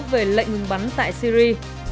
về lệnh ngừng bắn tại syri